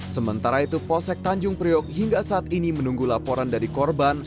sementara itu polsek tanjung priok hingga saat ini menunggu laporan dari korban